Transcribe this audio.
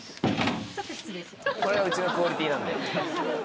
これがうちのクオリティーなんで。